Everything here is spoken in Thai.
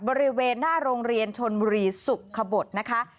บริเวณหน้าโรงเรียนชนบุรีสุขบทนะคะ